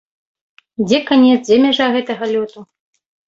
Дзе канец, дзе мяжа гэтага лёту?